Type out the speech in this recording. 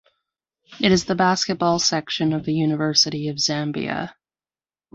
It is the basketball section of the University of Zambia.